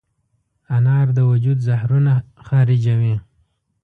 انار د وجود زهرونه خارجوي.